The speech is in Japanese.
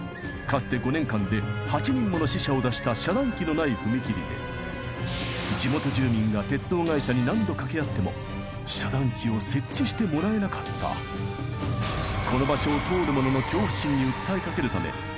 かつて５年間で８人もの死者を出した遮断機のない踏切で地元住民が鉄道会社に何度掛け合ってもこの場所を通る者の恐怖心に訴えかけるため